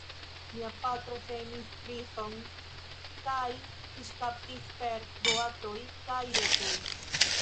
Mia patro semis rizon kaj fiŝkaptis per boatoj kaj retoj.